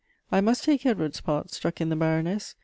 " I must take Edward's part," struck in the Baroness.